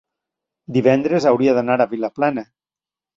divendres hauria d'anar a Vilaplana.